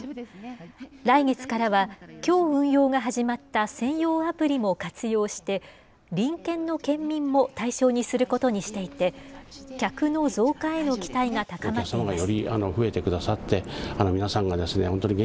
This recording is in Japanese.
来月からは、きょう運用が始まった専用アプリも活用して、隣県の県民も対象にすることにしていて、客の増加への期待が高まっています。